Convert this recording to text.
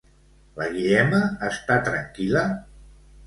La Guillema està tranquil·la?